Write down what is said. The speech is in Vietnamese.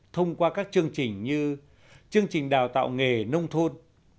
thông qua các chương trình như chương trình đào tạo nghề nông thôn